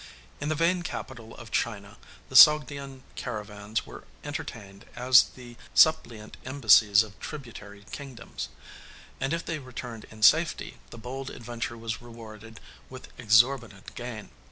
In the vain capital of China, the Sogdian caravans were entertained as the suppliant embassies of tributary kingdoms; and if they returned in safety, the bold adventure was rewarded with exorbitant gain.